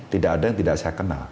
tidak ada yang tidak saya kenal